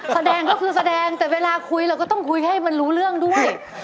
แสดงก็คือแสดงแต่เวลาคุยเราก็ต้องคุยให้มันรู้เรื่องด้วย